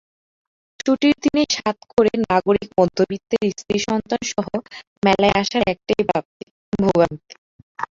ছুটির দিনে সাধ করে নাগরিক মধ্যবিত্তের স্ত্রী-সন্তানসহ মেলায় আসার একটাই প্রাপ্তি—ভোগান্তি।